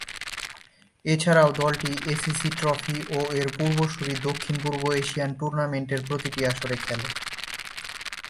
এছাড়াও দলটি ACC trophy ও এর পূর্বসূরী দক্ষিণ পূর্ব এশিয়ান টুর্নামেন্টের প্রতিটি আসরে খেলে।